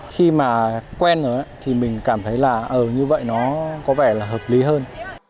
khi mà quen rồi thì mình cảm thấy là ờ như vậy nó có vẻ là hợp lý hơn